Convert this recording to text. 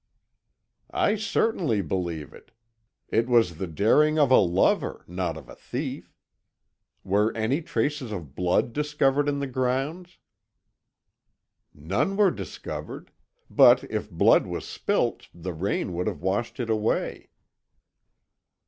"I certainly believe it; it was the daring of a lover, not of a thief. Were any traces of blood discovered in the grounds?" "None were discovered; but if blood was spilt, the rain would have washed it away."